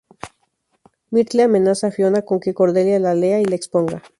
Myrtle amenaza a Fiona con que Cordelia la lea y la exponga.